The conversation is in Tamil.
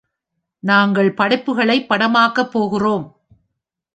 நாங்கள் படைப்புகளைப் படமாக்கப் போகிறோம்.